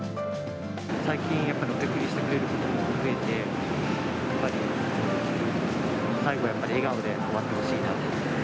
最近、お手振りしてくれることも増えて、やっぱりそうですね、最後、やっぱり笑顔で終わってほしいなと。